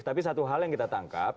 tapi satu hal yang kita tangkap